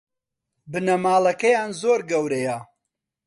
بنەماڵەکەیان زۆر گەورەیە